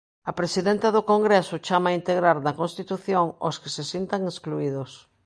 A presidenta do Congreso chama a integrar na Constitución aos que se sintan excluídos.